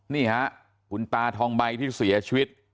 นี่ค่ะคุณตาทองใบที่เสียชีวิต